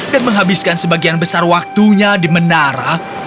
dan menghabiskan sebagian besar waktunya di menara